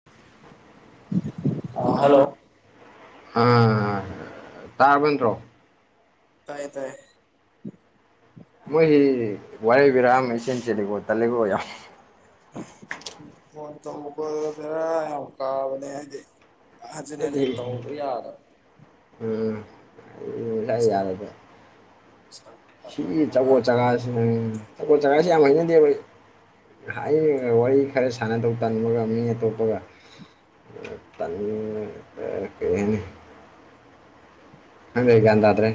[unintelligible] ꯑ ꯍꯜꯂꯣ ꯑ ꯇꯥꯔꯃꯟꯠꯇ꯭ꯔꯣ ꯇꯥꯏꯌꯦ ꯇꯥꯏꯌꯦ ꯃꯣꯏꯁꯤ ꯋꯥꯔꯩ ꯔꯥ ꯑꯃ ꯏꯆꯦꯟ ꯆꯦꯜꯂꯤꯀꯣ ꯇꯂꯀꯣ ꯌꯥꯝ ꯔ ꯀꯥꯕꯅꯦ ꯍꯥꯏꯦ ꯍꯖꯤꯦꯟ ꯍꯖꯤꯟ ꯇ ꯌꯥꯔ ꯎꯝ ꯎꯝ ꯑꯩ ꯉꯁꯥꯏ ꯏꯁ ꯌꯥꯔꯦꯕ ꯁ ꯁꯤ ꯆꯒꯣꯜ ꯆꯥꯒꯥꯁꯤꯦ ꯆꯒꯣꯜ ꯆꯥꯒꯥꯁꯤꯦ ꯌꯥꯝ ꯍꯩꯅꯗꯦꯕ ꯍꯥꯏ ꯋꯥꯔꯤ ꯈꯔ ꯁꯥꯟꯅꯗꯧ ꯇꯟꯃꯒ ꯃꯤ ꯑꯇꯣꯞꯄꯒ ꯎꯝ ꯀꯩꯅꯤ ꯍꯪꯗꯦ ꯒ꯭ꯌꯥꯟ ꯇꯥ꯭ꯔꯦ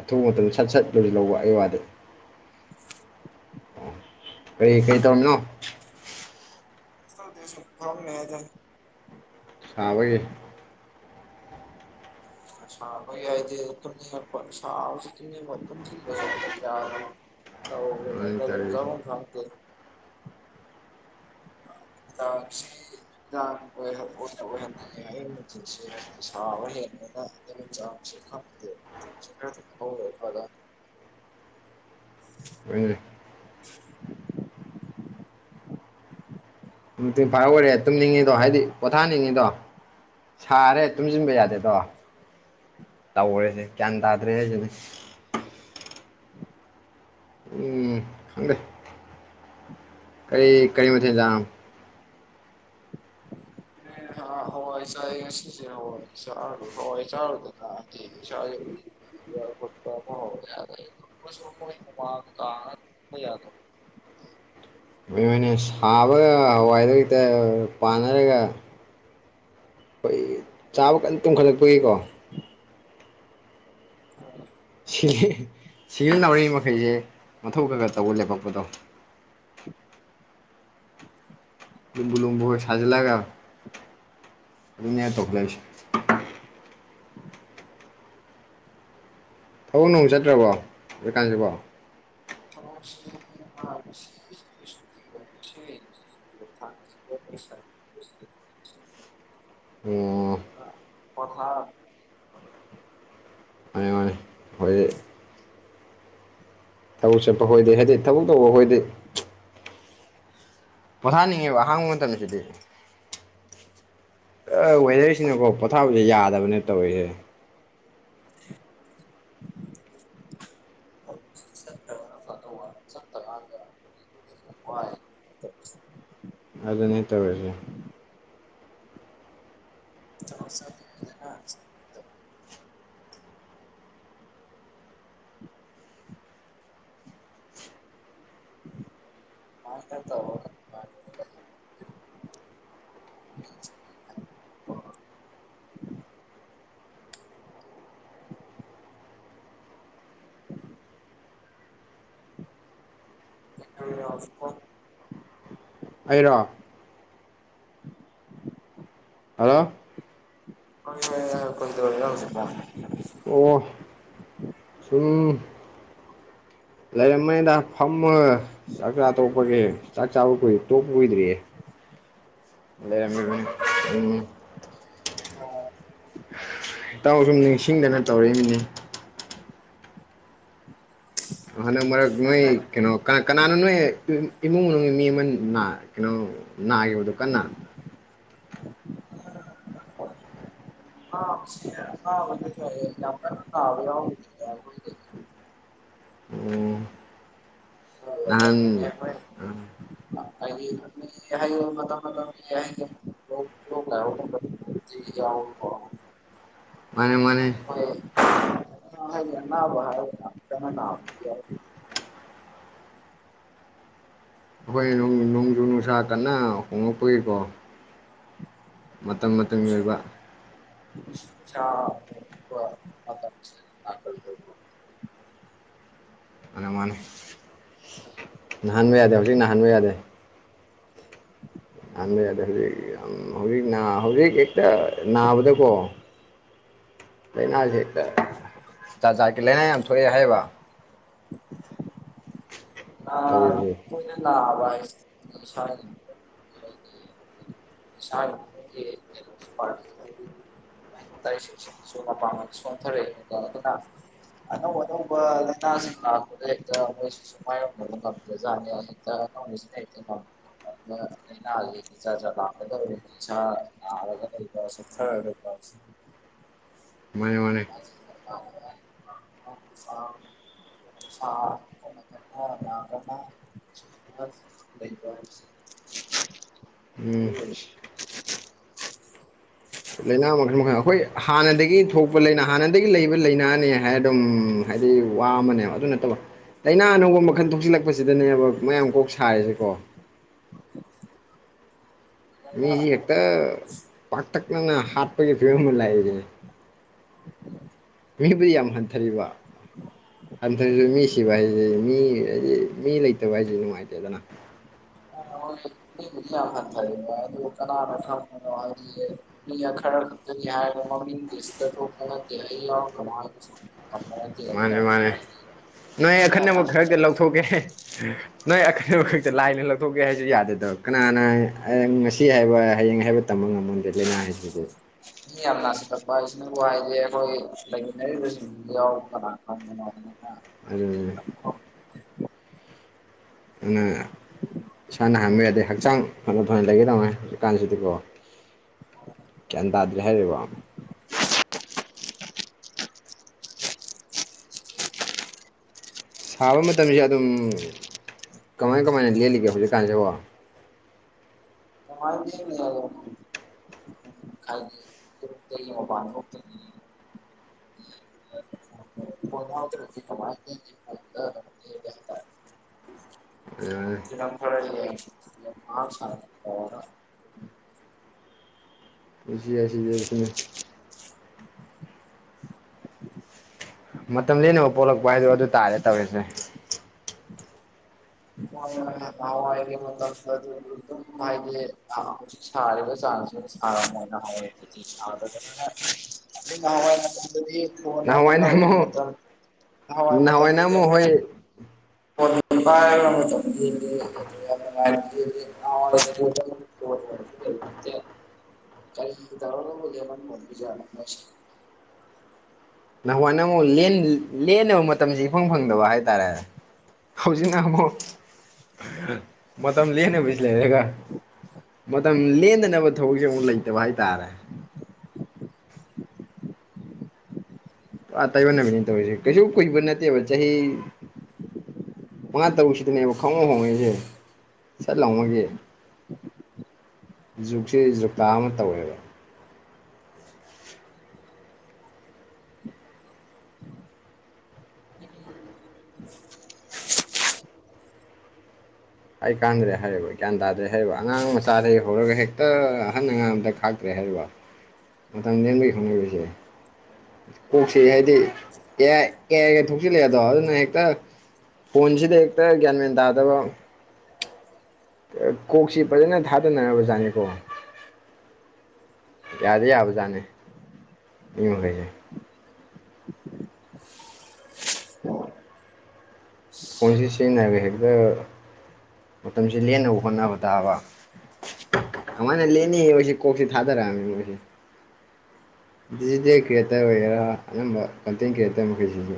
ꯑꯊꯨꯕ ꯃꯇꯝꯗ ꯁꯠ ꯁꯠ ꯂꯣꯏꯁꯨ ꯂꯧꯕ ꯑꯩꯒꯤ ꯋꯥꯗꯤ [unintelligible] ꯑꯣ ꯀꯔꯤ ꯀꯔꯤ ꯇꯧꯔꯤꯅꯣ ꯁ ꯀꯝꯃꯦꯗ ꯁꯥꯕꯒꯤ ꯁꯕ ꯌꯥꯗꯤ ꯁꯁꯤꯠꯇ ꯆꯌꯥꯗꯣ ꯑ ꯑꯧꯒ ꯆ ꯈꯥꯡꯗꯦ ꯆꯁꯤꯤ ꯑꯣꯏꯦꯜ ꯑꯣꯏ ꯍꯦꯂꯗ [unintelligible] [unintelligible] ꯎꯝ [unintelligible] ꯇꯐꯥꯏ ꯑꯣꯏꯔꯦ ꯇꯨꯝꯅꯤꯡꯉꯤꯗꯣ ꯍꯥꯏꯗꯤ ꯄꯣꯊꯥꯅꯤꯡꯉꯤꯗꯣ ꯁꯥꯔꯦ ꯇꯨꯝꯁꯤꯟꯕ ꯌꯥꯗꯦꯗꯣ ꯇꯧꯔꯦꯁꯦ ꯒ꯭ꯌꯥꯟ ꯇꯥꯗ꯭ꯔꯦ ꯍꯥꯏꯁꯤꯅꯦ [unintelligible] ꯎꯝ ꯁꯪꯗꯦ ꯎꯝ ꯀꯔꯤ ꯀꯔꯤ ꯃꯊꯦꯡꯖ ꯍꯣꯏ ꯆ ꯍꯣꯏ ꯆ ꯍꯣꯏ ꯆꯂ ꯊ ꯆ ꯀꯥ ꯌꯥꯅꯣ ꯃꯣꯏꯅ ꯁꯥꯕꯒ ꯍꯏꯗ ꯍꯇ ꯄꯥꯟꯅꯔꯒ ꯑꯩꯈꯣꯏ ꯆꯥꯕ ꯀꯟꯅ ꯇꯨꯝꯈꯠꯂꯛꯄꯒꯤꯀꯣ ꯎ ꯍ ꯁꯤꯖꯤꯟꯅꯎꯔꯤ ꯃꯈꯩꯁꯦ ꯃꯊꯧ ꯈꯒ ꯇꯧꯕ ꯂꯦꯞꯄꯛꯄꯗꯣ ꯎꯝ ꯂꯨꯝꯕꯨ ꯂꯨꯝꯕꯨꯒ ꯁꯥꯖꯤꯜꯂꯒ ꯑꯗꯨꯅꯦ ꯇꯧꯈꯠꯂꯤꯁꯦ ꯊꯕꯛ ꯅꯨꯡ ꯆꯠꯇ꯭ꯔꯕꯣ ꯍꯧꯖꯤꯛꯀꯥꯟꯁꯤꯕꯣ ꯊꯕꯛꯁꯤ [unintelligible] [unintelligible] ꯑ ꯀꯣꯊꯥ ꯍꯣꯏ ꯊꯕꯛ ꯆꯠꯄ ꯈꯣꯏꯗꯤ ꯍꯥꯏꯗꯤ ꯊꯕꯛ ꯇꯧꯕ ꯈꯣꯏꯗꯤ ꯄꯣꯊꯥꯅꯤꯡꯉꯦꯕ ꯑꯍꯥꯡꯕ ꯃꯇꯝ ꯁꯤꯗꯤ ꯋꯦꯗꯔꯁꯤꯅꯀꯣ ꯄꯣꯊꯥꯕꯁꯦ ꯌꯥꯗꯕꯅꯦ ꯇꯧꯔꯤꯁꯦ [unintelligible] ꯍ ꯆꯠꯈ꯭ꯔꯒꯅ ꯐꯗꯧꯕ ꯆꯠꯇꯀꯥꯟꯗ ꯋꯥꯏ ꯑꯗꯨꯅꯦ ꯇꯧꯔꯤꯁꯦ ꯆꯠꯂꯣ ꯁ ꯎ ꯃꯥ [unintelligible] [unintelligible] ꯐꯥꯎ ꯑꯩꯔꯣ [unintelligible] ꯍꯜꯂꯣ ꯍꯣꯏ ꯍꯣꯏ ꯍꯥꯏꯔꯒ ꯀꯣꯗꯧꯔꯤꯅꯣ ꯍꯧꯖꯤꯛꯄꯨ ꯑꯣ ꯁꯨꯝ ꯂꯩꯔꯝꯕꯅꯤꯗ ꯐꯝꯃꯒ ꯆꯥꯛ ꯆꯥ ꯇꯣꯛꯄꯒꯤ ꯆꯥꯕ ꯀꯨꯏ ꯇꯣꯛꯄ ꯀꯏꯗꯔꯤꯌꯦ ꯂꯩꯔꯝꯃꯤꯕꯅꯤ ꯎꯝ ꯑꯣ ꯏꯇꯥꯎ ꯁꯨꯝ ꯅꯤꯡꯁꯤꯡꯗꯅ ꯇꯧꯔꯛꯏꯃꯤꯅꯦ ꯍꯟꯗꯛ ꯃꯔꯛ ꯅꯣꯏ ꯀꯩꯅꯣ ꯀꯅꯥ ꯀꯅꯥꯅꯣ ꯅꯣꯏ ꯏꯃꯨꯡ ꯃꯅꯨꯡꯒꯤ ꯃꯤ ꯑꯃ ꯅꯥ ꯀꯩꯅꯣ ꯅꯥꯈꯤꯕꯗꯨ ꯀꯟꯅ [inaudible] ꯑ ꯁꯤ ꯑꯅꯥꯕꯗꯤ ꯐꯔꯦ ꯌꯥꯝ ꯀꯟꯅꯥ ꯅꯥꯕꯗꯤ ꯌꯥꯎꯒꯤꯗꯦ ꯑꯩꯈꯣꯏꯗꯤ ꯎꯝ ꯅꯍꯥꯟ ꯍꯥꯏꯗꯤ ꯃꯇꯝ ꯃꯇꯝꯒꯤ ꯂꯣꯟ ꯂꯥꯏꯍꯧꯒꯨꯝꯕ ꯇꯧꯕ ꯌꯥꯎ ꯃꯥꯅꯦ ꯃꯥꯅꯦ ꯍꯣꯏ ꯍꯥꯏꯗꯤ ꯑꯋꯥꯕ ꯍꯥꯏꯗꯤ ꯌꯥꯝꯀꯟꯅ ꯅꯥꯕꯗꯤ ꯌꯥꯎꯗꯦ ꯑꯩꯈꯣꯏ ꯅꯣꯡꯖꯨ ꯅꯨꯡꯁꯥ ꯀꯟꯅ ꯍꯣꯉꯛꯄꯒꯤꯀꯣ ꯃꯇꯝ ꯃꯇꯝꯒꯤ ꯑꯣꯏꯕ ꯥꯅꯨꯡꯁꯤꯠ ꯅꯨꯡꯁꯥ ꯍꯣꯡꯕ ꯃꯇꯝꯁꯦ ꯅꯥꯒꯜꯂꯦ ꯑꯅꯥ ꯃꯥꯅꯦ ꯑ ꯅꯥꯍꯟꯕ ꯌꯥꯗꯦ ꯍꯧꯖꯤꯛ ꯅꯥꯍꯟꯕ ꯌꯥꯗꯦ [inaudible] ꯅꯥꯍꯟꯕ ꯌꯥꯗꯦ ꯍꯧꯖꯤꯛ ꯌꯥꯝ ꯍꯧꯖꯤꯛ ꯅ ꯍꯧꯖꯤꯛ ꯍꯦꯛꯇ ꯅꯥꯕꯗꯀꯣ ꯂꯩꯅꯥꯁꯦ ꯍꯦꯛꯇ ꯖꯥꯠ ꯖꯥꯠꯀꯤ ꯂꯥꯏꯅꯥ ꯌꯥꯝ ꯊꯣꯛꯑꯦ ꯍꯥꯏꯌꯦꯕ ꯑ ꯇꯧꯔꯤꯁꯦ ꯇꯣꯏꯅꯥ ꯅꯥꯕ ꯍꯥꯏꯒꯦ ꯏꯁꯥꯒꯤ ꯐꯤꯕꯝ ꯏꯁꯤꯒꯤ ꯐꯤꯕꯝꯒꯤ ꯀꯩꯅꯣꯝꯇ ꯄꯥꯔꯠ ꯃꯍꯤꯛ ꯃꯇꯥꯏ ꯁꯤꯡꯁꯤꯁꯨ ꯃꯄꯥꯡꯘꯜ ꯁꯣꯟꯊꯔꯛꯑꯦꯕ ꯑꯗꯨꯅ ꯑꯅꯧ ꯑꯅꯧꯕ ꯂꯥꯏꯅꯥꯁꯤꯡ ꯂꯥꯛꯄꯗ ꯍꯦꯛꯇ ꯃꯣꯏꯁꯨ ꯃꯥꯏꯌꯣꯛ [unintelligible] [unintelligible] ꯃꯅꯦ ꯃꯥꯅꯦ꯫ [inaudible] [inaudible] ꯎꯝ [unintelligible] ꯂꯥꯏꯅꯥ ꯃꯈꯜ ꯃꯈꯜ ꯑꯩꯈꯣꯏ ꯍꯥꯟꯅꯗꯒꯤ ꯊꯣꯛꯄ ꯂꯩꯅ ꯍꯥꯟꯅ ꯂꯩꯕ ꯂ ꯂꯩꯅꯥꯅꯦ ꯍꯥꯏ ꯑꯗꯨꯝ ꯍꯥꯏꯗꯤ ꯋꯥ ꯑꯃꯅꯦꯕ ꯑꯗꯨ ꯅꯠꯇꯕ ꯂꯩꯥꯏꯅꯥꯅꯒꯨꯝꯕ ꯃꯈꯟ ꯊꯣꯛꯆꯜꯂꯛꯄꯁꯤꯗꯅꯦꯕ ꯃꯌꯥꯝ ꯀꯣꯛ ꯁꯥꯔꯤꯁꯦꯀꯣ ꯃꯤꯁꯤ ꯍꯦꯛꯇ ꯄꯥꯛꯇꯛꯅꯅ ꯍꯥꯠꯄꯒꯤ ꯐꯤꯕꯝ ꯑꯃ ꯂꯥꯛꯏꯅꯦ꯫ ꯃꯤꯕꯨꯗꯤ ꯌꯥꯝ ꯍꯟꯊꯔꯤꯕ ꯍꯟꯊꯁꯨ ꯃꯤ ꯁꯤꯕ ꯍꯥꯏꯁꯦ ꯃꯤ ꯍꯥꯏꯗꯤ ꯃꯤ ꯂꯩꯇꯕ ꯍꯥꯏꯁꯤ ꯅꯨꯡꯉꯥꯏꯇꯦꯗꯅ [unintelligible] ꯃꯤ ꯑꯈꯔ ꯍꯥꯏ ꯀꯃ ꯁꯇꯣ ꯄ ꯂꯃ ꯑꯣꯣꯝ ꯃꯥꯅꯦ ꯃꯥꯅꯦ ꯅꯣꯏ ꯑꯈꯟꯅꯕ ꯈꯔꯗꯤ ꯂꯧꯊꯣꯛꯀꯦ꯫ ꯅꯣꯏ ꯑꯈꯟꯅꯕ ꯈꯛꯇ ꯂꯥꯏꯅ ꯂꯧꯊꯣꯛꯀꯦ ꯍꯥꯏꯁꯨ ꯌꯥꯗꯦꯗꯕ ꯀꯅꯥꯅ ꯉꯁꯤ ꯍꯥꯏꯕ ꯍꯌꯦꯡ ꯍꯥꯏꯕ ꯇꯝꯕ ꯉꯝꯃꯝꯗ꯭ꯔꯦ ꯂꯥꯏꯅꯥ ꯍꯥꯏꯁꯤꯕꯨ ꯃꯤ ꯌꯥꯝ ꯅꯥꯁꯤꯂꯛꯄ ꯍꯥꯏꯁꯤꯅꯕꯨ ꯍꯥꯏꯗꯤꯦ ꯑꯩꯈꯣꯏ ꯂꯩꯃꯤꯟꯅꯔꯤꯕꯁꯤꯡꯁꯤ ꯌꯥꯎ ꯀꯅꯥ ꯈꯪꯗꯅꯣ [inaudible] [inaudible] ꯑꯉꯥꯪ ꯏꯁꯥꯅ ꯍꯪꯕꯤꯔꯗꯤ ꯍꯛꯆꯥꯡ ꯐꯅ ꯐꯅ ꯂꯩꯒꯦꯗꯧꯉ ꯍꯧꯖꯤꯛꯀꯥꯟꯁꯤꯗꯤꯀꯣ ꯀꯟ ꯇꯥꯗ꯭ꯔꯦ ꯍꯥꯏꯔꯦ ꯋꯥ ꯁꯥꯕ ꯃꯇꯝꯁꯦ ꯑꯗꯨꯝ ꯀꯃꯥꯏ ꯀꯃꯥꯏꯅ ꯂꯦꯜꯂꯤꯒꯦ ꯍꯧꯖꯤꯛꯀꯥꯟꯁꯤꯦꯀꯣ ꯀꯃꯥꯏ ꯂꯥꯅꯤꯜꯅꯣ ꯌꯨꯝꯗꯒꯤ ꯃꯄꯥꯅ ꯊꯣꯛꯇꯕꯤ ꯫ [unintelligible] [unintelligible] ꯆꯤꯗꯝꯕꯔ ꯂꯩ ꯃꯥꯁ ꯇꯔ ꯖꯤ ꯌꯥꯁꯤꯖꯁꯤꯅ ꯃꯇꯝ ꯂꯦꯅꯕ ꯄꯣꯛꯂꯛꯄ ꯍꯥꯏꯗꯣ ꯑꯗꯨ ꯇꯥꯔꯦ ꯇꯧꯔꯤꯁꯦ꯫ [unintelligible] ꯁꯔꯦꯗ ꯆꯥꯟꯁ ꯁ ꯃꯅ ꯍꯥꯏ [unintelligible] ꯐ ꯐ ꯅꯍꯥꯟꯋꯥꯏꯅ ꯂꯎꯁ ꯃ ꯑꯃꯨꯛ ꯃꯇꯝ ꯍꯋꯥ ꯅꯍꯥꯟꯋꯥꯏꯅ ꯑꯃꯨꯛ ꯃꯇꯝꯗꯨꯗꯤꯃꯦ꯫ ꯍꯣꯏ [unintelligible] ꯍ ꯐ ꯀ ꯊꯔ ꯂꯧꯧꯕꯗꯦꯅꯤꯖ ꯅꯍꯋꯥꯏ ꯅ ꯑꯃꯨꯛ ꯂꯦꯟꯅꯕ ꯃꯇꯝꯁꯤꯦ ꯏꯐꯪ ꯐꯪꯗꯕ ꯍꯥꯏꯇꯥꯔꯦ꯫ ꯍꯧꯖꯤꯛꯅ ꯑꯃꯛ ꯃ ꯃꯇꯝ ꯂꯅ ꯄꯁ ꯂꯩꯔꯦꯒ ꯃ ꯃꯇꯝ ꯂꯗ ꯈꯦꯠꯅꯕ ꯊꯕꯛꯁꯦ ꯑꯃꯨꯛ ꯂꯩꯇꯕ ꯍꯥꯏꯇꯥꯔꯦ꯫ ꯑꯇꯩꯕ ꯅꯃꯤ ꯇꯧꯔꯤꯁꯦ ꯀꯩꯁꯨ ꯀꯩꯕ ꯅꯠꯇꯦꯕ ꯆꯍꯤ ꯃꯉꯥ ꯇꯔꯨꯛꯁꯤꯗꯅꯦꯕ ꯈꯪꯉꯣ ꯍꯣꯡꯉꯛꯏꯁꯦ ꯁꯠ ꯂꯥꯎꯉꯒ ꯖꯨꯛꯁꯦ ꯖꯨꯛꯇꯥ ꯑꯃ ꯇꯧꯋꯦꯕ ꯑꯩ ꯀꯥꯟꯗ꯭ꯔꯦ ꯍꯥꯏꯨ ꯒ꯭ꯌꯥꯟ ꯇꯥꯗ꯭ꯔꯦ ꯍꯥꯏꯔꯤꯕ ꯑꯉꯥꯡ ꯃꯆꯥꯗꯒꯤꯩ ꯍꯧꯔꯒ ꯍꯦꯛꯇ ꯑꯍꯟ ꯑꯉꯥꯡꯗ ꯀꯩ ꯍꯥꯏꯔꯕ ꯃꯇꯥꯡꯗꯤꯅꯕꯈꯣꯡꯅꯕꯁꯦ꯫ ꯀꯣꯛꯁꯤ ꯍꯥꯏꯗꯤ ꯑꯦ ꯀꯌꯥ ꯀꯌꯥ ꯊꯣꯛꯆꯤꯜꯂꯛꯑꯦꯗꯣ ꯑꯗꯨꯅ ꯍꯦꯛꯇ ꯐꯣꯟꯁꯤꯗ ꯍꯦꯛꯇ ꯒ꯭ꯌꯥꯟ ꯃꯦꯟ ꯇꯥꯗꯕ ꯀꯣꯛꯁꯤ ꯐꯖꯅ ꯊꯥꯗꯅꯔꯕꯖꯥꯠꯅꯤꯀꯣ ꯌꯥꯗꯦ ꯌꯥ꯫ ꯏ ꯃꯈꯁꯦ ꯐꯣꯟꯁꯤ ꯁꯤꯖꯤꯟꯅꯕ ꯍꯦꯛꯇ ꯃꯇꯝꯁꯤ ꯂꯦꯟꯅꯕ ꯍꯣꯠꯅꯕ ꯇꯥꯕ ꯑꯥꯏꯅ ꯂꯦꯅꯤꯁꯤ ꯀꯁꯤ ꯊꯥꯗꯔ ꯗꯤꯖꯤꯇꯦꯜ ꯀ꯭ꯔꯤꯌꯦꯇꯔ ꯑꯣꯏꯒꯦꯔꯥ ꯑꯅꯝꯕ ꯀꯟꯇꯦꯟ ꯀ꯭ꯔꯤꯌꯦꯇꯔ ꯃꯈꯩꯁꯤꯡꯁꯨ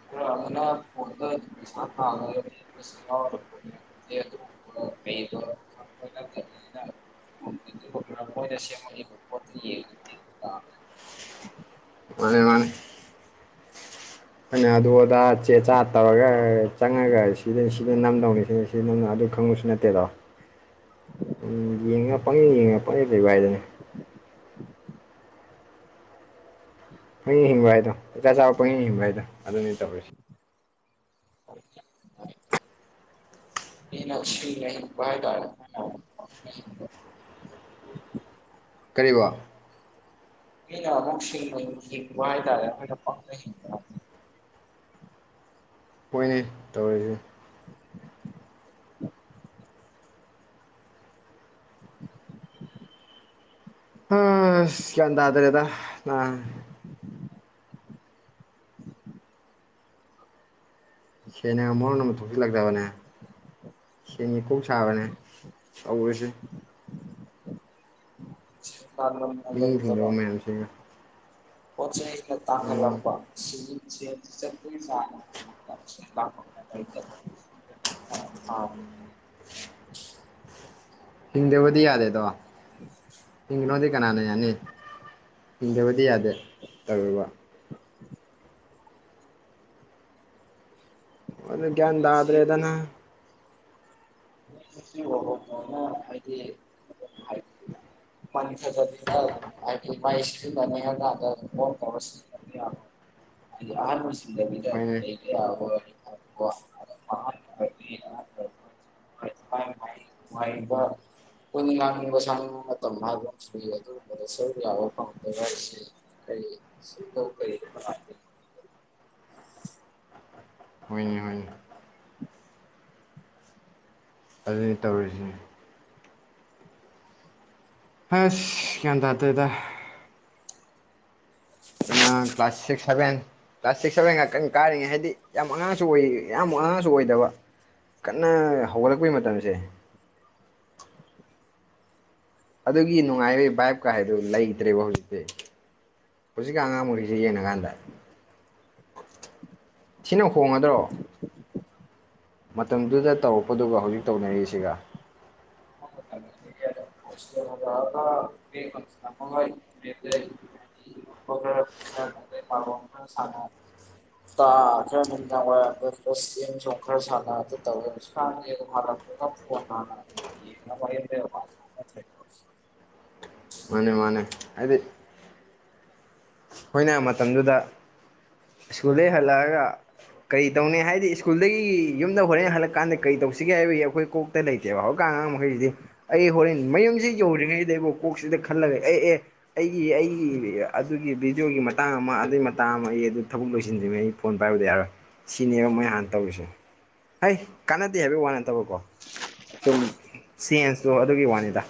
[unintelligible] [unintelligible] [unintelligible] ꯃꯥꯅꯤ ꯃꯥꯅꯤ ꯑꯩꯅ ꯑꯗꯨ ꯑꯗꯥ ꯆꯦ ꯆꯥ ꯇꯧꯔꯒ ꯆꯪꯉꯒ ꯁꯤꯗ ꯁꯤꯗꯩ ꯅꯝꯗꯧꯅꯤ ꯁꯤꯅꯤ ꯁꯤ ꯅꯪꯅ ꯑꯗꯨ ꯈꯪꯉꯨꯁꯨ ꯅꯠꯇꯦꯗꯣ ꯎꯝ ꯌꯦꯡꯉ ꯄꯪꯉꯦ ꯌꯦꯡꯉ ꯄꯪꯉꯦ ꯂꯩꯕ ꯍꯥꯏꯗꯅꯦ ꯄꯣꯏꯟ ꯍꯤꯡꯕ ꯍꯥꯏꯗꯣ ꯆꯆꯥ ꯆꯥꯕ ꯄꯣꯏꯟ ꯍꯤꯡꯕ ꯍꯥꯏꯗꯣ ꯑꯗꯨꯅꯤ ꯇꯧꯔꯤꯁꯦ ꯏꯟꯅ ꯁꯤ ꯅ ꯀ ꯇ ꯎ ꯀꯔꯤꯔꯤꯕ ꯍꯩꯅ ꯃꯁꯤ ꯋꯥ ꯍꯥꯏ ꯇꯔ ꯄ ꯍ ꯍꯣꯏꯅꯦ ꯇꯧꯔꯤꯁꯦ [inaudible] ꯑ ꯁꯤꯂꯗ꯭ꯔꯦꯗ ꯁꯦꯡꯅ ꯃꯣꯔꯣꯟ ꯑꯃꯨ ꯊꯣꯛꯆꯜꯂꯛꯇꯕꯅꯦ ꯁꯦꯅꯤꯀꯧ ꯁꯥꯕꯅꯦ ꯇꯔꯁꯤ ꯕ ꯅꯤꯡ ꯊꯤꯡꯗꯕ ꯃꯌꯥꯝꯁꯤꯒ ꯄꯆ ꯇ ꯈ ꯎꯝ ꯂꯥꯛꯄ [unintelligible] ꯑ ꯍꯤꯡꯗꯦꯕꯗꯤ ꯌꯥꯗꯦꯗꯣ ꯎꯝ ꯍꯤꯡꯈꯅꯣꯗꯤ ꯀꯅꯥꯅ ꯌꯥꯅꯤ ꯍꯤꯡꯗꯕꯗꯤ ꯌꯥꯗꯦ ꯇꯧꯦꯕ ꯑꯣ ꯑꯩꯈꯣꯏꯁꯦ ꯭ꯌꯥꯟꯗꯗ꯭ꯔꯦꯗꯅ ꯍꯥꯏꯗꯤ ꯍꯥꯏꯗꯤ ꯃꯟꯁꯗꯤꯥꯏ [unintelligible] ꯏꯁ [unintelligible] ꯍꯣꯏꯅꯦ [unintelligible] [unintelligible] [unintelligible] ꯀꯣꯏꯅꯤꯡ ꯂꯥꯡꯅꯤꯡꯕ ꯁꯥꯡꯅꯤꯡꯕ ꯃꯇꯝ ꯍꯥꯏꯕ ꯑꯃꯁꯨ ꯂꯩ ꯑꯗꯨꯒꯨꯝꯕꯗ ꯁꯔꯨꯛ ꯌꯥꯕ ꯐꯪꯗꯕ ꯍꯥꯏꯁꯦ ꯀꯩ ꯀꯩ [unintelligible] ꯍꯣꯏꯅꯦ ꯍꯅꯦ ꯑꯗꯨꯅꯤ ꯇꯧꯔꯤꯁꯤ ꯍꯥꯁ ꯒ꯭ꯌꯥꯟ ꯇꯥꯗꯦꯗ ꯑꯈꯣꯏꯅ class six seven class six seven ꯉꯥꯛꯇ ꯀꯥꯔꯤꯉꯩ ꯍꯥꯏꯗꯤ ꯌꯥꯝ ꯑꯉꯥꯡꯁꯨ ꯑꯣꯏ ꯌꯥꯝ ꯑꯉꯥꯡꯁꯨ ꯑꯣꯏꯗꯕ ꯀꯟꯅ ꯍꯧꯒꯠꯂꯛꯄꯩ ꯃꯇꯝꯁꯦ ꯑꯗꯨꯒꯤ ꯅꯨꯡꯉꯥꯏꯕꯩ ꯕꯥꯥꯏꯞꯀ ꯍꯥꯏꯗꯨ ꯂꯩꯇ꯭ꯔꯦꯕ ꯍꯧꯖꯤꯛꯇꯤ ꯍꯧꯖꯤꯛꯥꯟ ꯑꯉꯥꯡ ꯃꯈꯩꯁꯤ ꯌꯦꯡꯅꯀꯥꯟꯗ ꯊꯤꯅ ꯍꯣꯡꯉꯗ꯭ꯔꯣ ꯃꯇꯝꯗꯨꯗ ꯇꯧꯔꯛꯄꯗꯨꯒ ꯍꯧꯖꯤꯛ ꯇꯧꯅꯔꯤꯁꯤꯒ [unintelligible] [unintelligible] [unintelligible] [unintelligible] [unintelligible] ꯃꯥꯅꯦ ꯃꯥꯅꯦ ꯍꯥꯏꯗꯤ ꯑꯩꯈꯣꯏꯅ ꯃꯇꯝꯗꯨꯗ ꯁ꯭ꯀꯨꯜꯗꯩ ꯍꯜꯂꯛꯑꯒ ꯀꯔꯤ ꯇꯧꯅꯤ ꯍꯥꯏꯗꯤ ꯁ꯭ꯀꯨꯜꯗꯒꯤ ꯌꯨꯝꯗ ꯍꯣꯔꯦꯟ ꯍꯜꯂꯛ ꯀꯥꯟꯗ ꯀꯔꯤ ꯇꯧꯁꯤꯒꯦ ꯍꯥꯏꯕꯒꯤ ꯑꯩꯈꯣꯏ ꯀꯣꯛꯇ ꯂꯩꯇꯦꯕ ꯍꯧꯀꯥꯟ ꯑꯉꯥꯡ ꯍꯗꯤ [unintelligible] ꯑꯩ ꯍꯣꯔꯦꯟ ꯃꯌꯨꯝꯁꯤ ꯌꯧꯗ꯭ꯔꯤꯉꯩꯕꯨ ꯀꯣꯛꯁꯤꯗ ꯈꯜꯂꯒ ꯑꯦ ꯑꯦ ꯑꯩꯒꯤ ꯑꯩꯒꯤ ꯑꯗꯨꯒꯤ ꯑꯩꯒꯤ ꯚꯤꯗꯤꯑꯣꯒꯤ ꯃꯇꯥꯡ ꯑꯃ ꯑꯗꯨꯏ ꯃꯇꯥꯡ ꯑꯃ ꯑꯩ ꯑꯗꯨ ꯊꯕꯛ ꯂꯣꯏꯁꯤꯟꯗ꯭ꯔꯤꯃꯩ ꯑꯩ ꯐꯣꯟ ꯄꯥꯏꯕꯗꯤ ꯌꯥꯔꯣꯏ ꯁꯤꯅꯦꯕ ꯃꯣꯏ ꯍꯥꯟꯅ ꯇꯧꯔꯤꯁꯦ ꯐꯩ ꯀꯥꯟꯅꯗꯦ ꯍꯥꯏꯕꯩ ꯋꯥ ꯅꯠꯇꯕꯀꯣ ꯁꯨꯝ ꯆꯦꯟꯖꯇꯣ ꯑꯗꯨꯒꯤ ꯋꯥꯅꯤꯗ